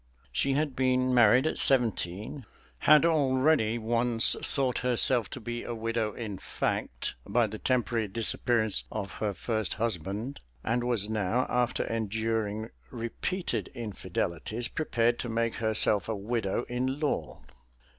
She had been married at seventeen, had already once thought herself to be a widow in fact by the temporary disappearance of her first husband; and was now, after enduring repeated infidelities, prepared to make herself a widow in law.